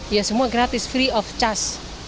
ya semua gratis